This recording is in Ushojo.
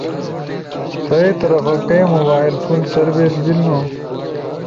تھئی طرف کئی موبائل فون سروس بیلنو؟